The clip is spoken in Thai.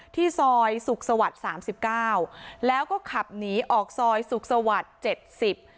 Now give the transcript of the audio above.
ที่ซอยสุขสวรรค์สามสิบเก้าแล้วก็ขับหนีออกซอยสุขสวรรค์เจ็ดสิบ